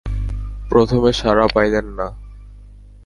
প্রথমে সাড়া পাইলেন না।